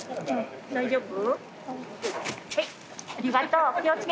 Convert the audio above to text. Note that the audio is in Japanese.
大丈夫？